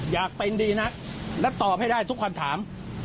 อยากเป็นดีนักและตอบให้ได้ทุกคำถาม